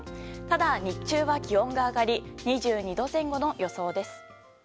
ただ、日中は気温が上がり２２度前後の予想です。